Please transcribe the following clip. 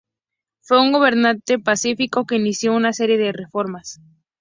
Fue un gobernante pacífico que inició una serie de reformas.